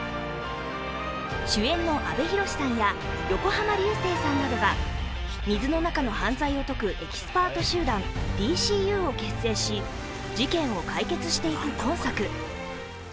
主演の阿部寛さんや、横浜流星さんなどが水の中の犯罪をとくエキスパート集団ＤＣＵを結成し事件を解決していく今作。